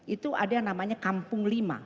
itu ada yang namanya kampung lima